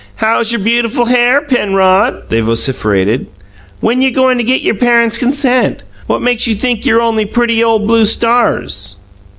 "How's your beautiful hair, Penrod?" they vociferated. "When you goin' to git your parents' consent? What makes you think you're only pretty, ole blue stars?"